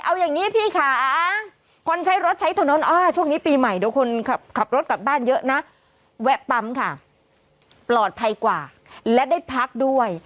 เอาอย่างนี้พี่ค่ะคนใช้รถใช้ถนนช่วงนี้ปีใหม่เดี๋ยวคนขับรถกลับบ้านเยอะนะแวะปั๊มค่ะปลอดภัยกว่าและได้พักด้วย